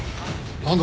なんだ？